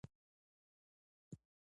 زه نادانه څنګه نه وم پرې پوه شوې؟!